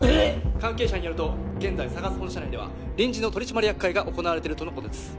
関係者によると現在ＳＡＧＡＳ本社内では臨時の取締役会が行われているとのことです